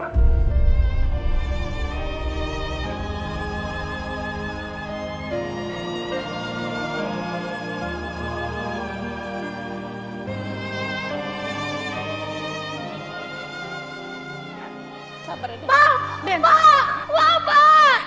pak pak pak pak